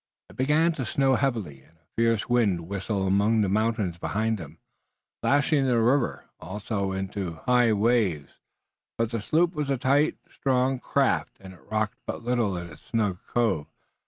It began to snow heavily, and a fierce wind whistled among the mountains behind them, lashing the river also into high waves, but the sloop was a tight, strong craft, and it rocked but little in its snug cove.